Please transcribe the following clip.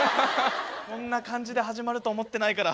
こんな感じで始まると思ってないから。